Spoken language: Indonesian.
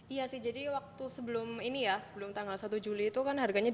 iya sih jadi waktu sebelum ini ya sebelum tanggal satu juli itu kan harganya